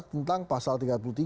tentang pasal tiga puluh tiga